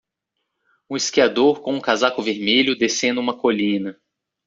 Um esquiador com um casaco vermelho descendo uma colina.